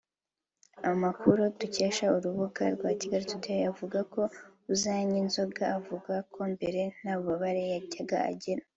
Amakuru dukesha urubuga rwa Kigalitoday avuga ko Uzanyinzoga avuga ko mbere nta bubabare yajyaga agira